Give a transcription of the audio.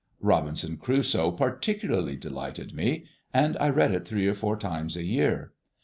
"Robinson Crusoe" particularly delighted me, and I read it three or four times a year.